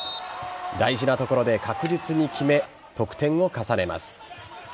大事なところで確実に決め得点を重ねます。